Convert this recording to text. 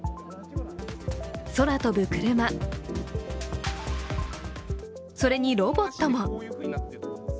空飛ぶクルマ、それにロボットも。